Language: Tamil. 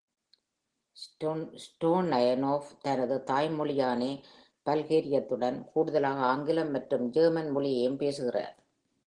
ஸ்டோயனோவ் தனது தாய்மொழயானி பல்கேரியத்துடன் கூடுதலாக ஆங்கிலம் மற்றும் ஜெர்மன் மொழியையும் பேசுகிறார்.